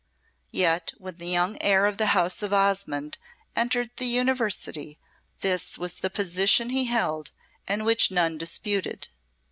Yet, when the young heir of the house of Osmonde entered the University, this was the position he held and which none disputed.